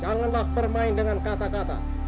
janganlah bermain dengan kata kata